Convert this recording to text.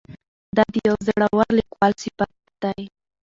دا د یوه زړور لیکوال صفت دی.